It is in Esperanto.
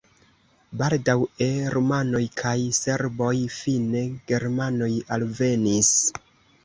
Baldaŭe rumanoj kaj serboj, fine germanoj alvenis.